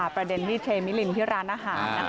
ประเด็นที่เชมิลินที่ร้านอาหาร